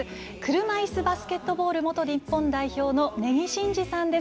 車いすバスケットボール元日本代表の根木慎志さんです。